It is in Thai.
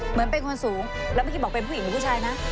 เหมือนเป็นคนสูงแล้วเมื่อกี้บอกเป็นผู้หญิงหรือผู้ชายนะ